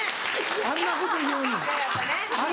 あんなこと言うねん。